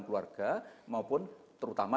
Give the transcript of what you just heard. keluarga maupun terutama